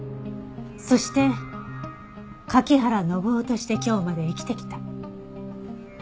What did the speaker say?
そして柿原伸緒として今日まで生きてきた。